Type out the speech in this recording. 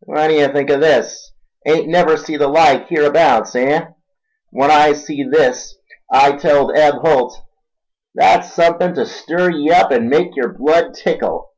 "What d'ye think o' this—ain't never see the like hereabouts, eh? When I see this I telled Eb Holt, 'That's suthin' ta stir ye up an' make yer blood tickle!